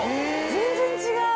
全然違う！